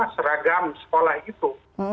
seragam sekolah itu